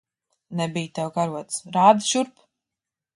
Nebij tev karotes. Rādi šurp!